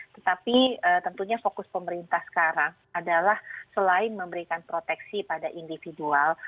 tetapi tentunya fokus pemerintah sekarang adalah selain memberikan proteksi pada individual